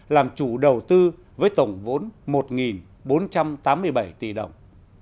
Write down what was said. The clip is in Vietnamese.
làm chủ đầu tư với tổng vốn một bốn trăm tám mươi bảy tỷ đồng